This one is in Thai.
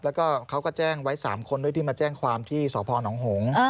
แล้วก็เขาก็แจ้งไว้๓คนด้วยที่มาแจ้งความที่สพนหง